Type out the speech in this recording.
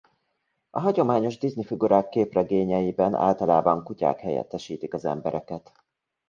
A hagyományos Disney-figurák képregényeiben általában kutyák helyettesítik az embereket.